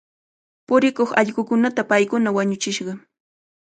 Purikuq allqukunata paykuna wañuchishqa.